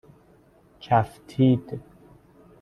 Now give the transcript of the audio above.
چَفتید